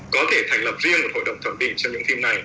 có thể thành lập riêng hội đồng thẩm định cho những phim này